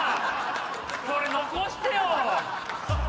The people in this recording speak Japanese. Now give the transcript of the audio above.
これ残してよ！